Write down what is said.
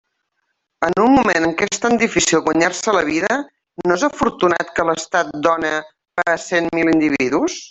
En un moment en què és tan difícil guanyar-se la vida, ¿no és afortunat que l'estat done pa a cent mil individus?